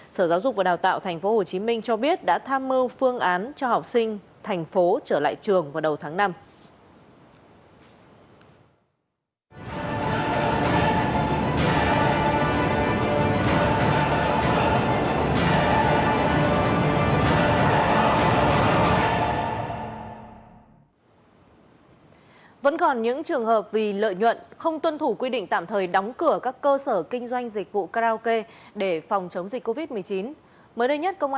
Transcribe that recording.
sở giáo dục và đào tạo tp hcm cho biết đã tham mưu phương án cho học sinh thành phố trở lại trường vào đầu tháng năm